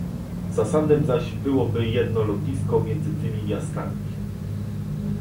Zasadnym zaś byłoby jedno lotnisko między tymi miastami